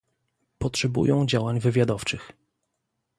Potrzebują działań wywiadowczych